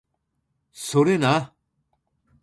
それな